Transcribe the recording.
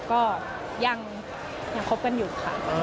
ก็ยังคบกันอยู่ค่ะ